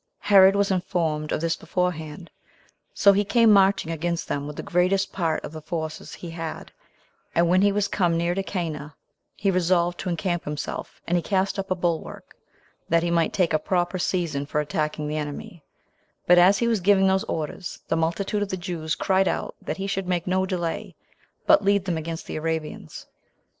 Herod was informed of this beforehand; so he came marching against them with the greatest part of the forces he had; and when he was come near to Cana, he resolved to encamp himself; and he cast up a bulwark, that he might take a proper season for attacking the enemy; but as he was giving those orders, the multitude of the Jews cried out that he should make no delay, but lead them against the Arabians.